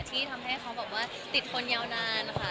ที่ทำให้เขาแบบว่าติดคนยาวนานนะคะ